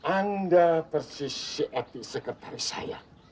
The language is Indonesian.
anda persis si etik sekretari saya